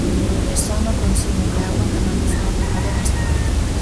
E só no consumo de auga acadamos un aprobado raspado.